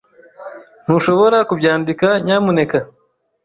Ntushobora kubyandika, nyamuneka?